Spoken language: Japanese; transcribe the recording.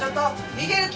逃げる気？